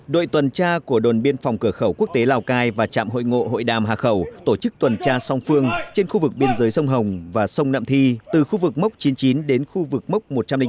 đội tuần tra của đồn biên phòng cửa khẩu quốc tế lào cai và trạm hội ngộ hội đàm hà khẩu tổ chức tuần tra song phương trên khu vực biên giới sông hồng và sông nậm thi từ khu vực mốc chín mươi chín đến khu vực mốc một trăm linh bốn